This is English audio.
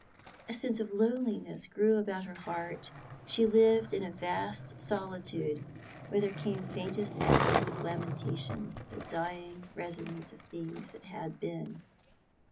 A sense of loneliness grew about her heart; she lived in a vast solitude, whither came faintest echoes of lamentation, the dying resonance of things that had been.